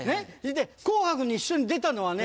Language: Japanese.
『紅白』に一緒に出たのはね